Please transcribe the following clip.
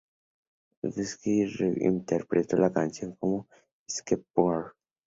Buscemi reinterpretó la canción como una "spoken word".